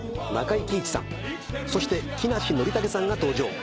中井貴一さんそして木梨憲武さんが登場。